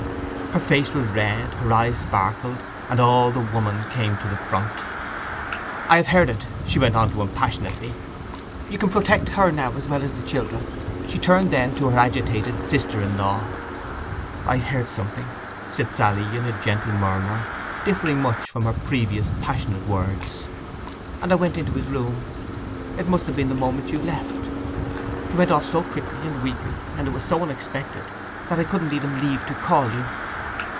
Her face was red, her eyes sparkled, and all the woman came to the front. 'I have heard it!' she went on to him passionately. 'You can protect her now as well as the children!' She turned then to her agitated sister in law. 'I heard something,' said Sally (in a gentle murmur, differing much from her previous passionate words), 'and I went into his room. It must have been the moment you left. He went off so quickly, and weakly, and it was so unexpected, that I couldn't leave even to call you.